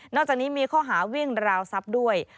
จากนี้มีข้อหาวิ่งราวทรัพย์ด้วย